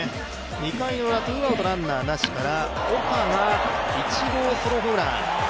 ２回ウラ、ツーアウトランナーなしから岡が１号ソロホームラン。